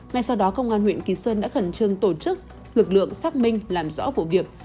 ngay sau đó công an huyện kỳ sơn đã khẩn trương tổ chức lực lượng xác minh làm rõ vụ việc